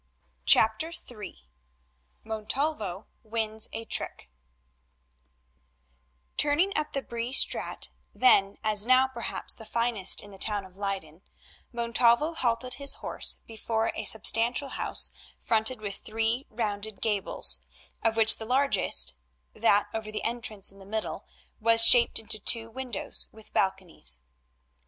CHAPTER III MONTALVO WINS A TRICK Turning up the Bree Straat, then as now perhaps the finest in the town of Leyden, Montalvo halted his horse before a substantial house fronted with three round headed gables, of which the largest—that over the entrance in the middle—was shaped into two windows with balconies.